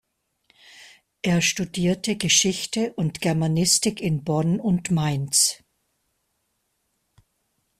Er studierte Geschichte und Germanistik in Bonn und Mainz.